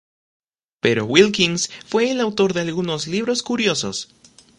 Pero Wilkins fue el autor de algunos libros curiosos.